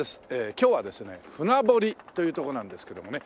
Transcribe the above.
今日はですね船堀というとこなんですけどもね。